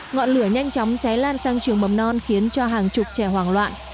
ngọn lửa nhanh chóng cháy lan sang trường mầm non khiến cho hàng chục trẻ hoảng loạn